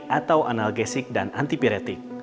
atau analgesik dan antipiretik